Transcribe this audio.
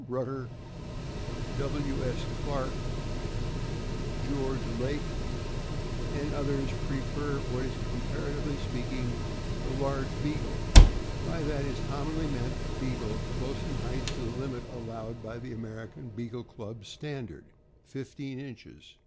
Rutter, W. S. Clark, George Laick, and others, prefer what is com paratively speaking the large Beagle; by that is com monly meant a Beagle close in height to the limit allowed by the American Beagle Club's standard — fifteen inches.